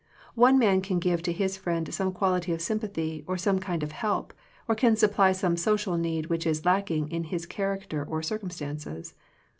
One man can give to his friend some quality of sympathy, or some kind of help, or can supply some social need which is lacking in his character or cir cumstances.